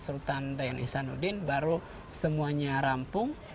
sultan dayan isanuddin baru semuanya rampung